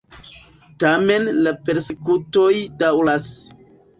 Tamen la persekutoj daŭras.